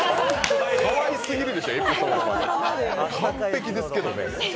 かわいすぎるでしょ、エピソードが完璧ですけどね。